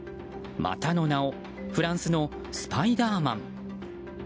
またの名をフランスのスパイダーマン。